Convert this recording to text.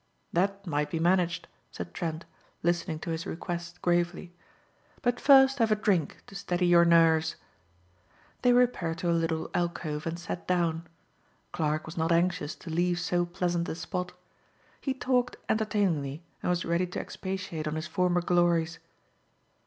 "That might be managed," said Trent, listening to his request gravely, "but first have a drink to steady your nerves." They repaired to a little alcove and sat down. Clarke was not anxious to leave so pleasant a spot. He talked entertainingly and was ready to expatiate on his former glories.